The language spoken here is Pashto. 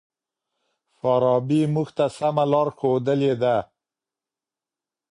فارابي موږ ته سمه لار ښودلې ده.